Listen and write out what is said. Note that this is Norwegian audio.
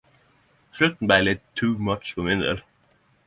Slutten blei litt too much for min del.